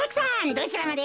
どちらまで？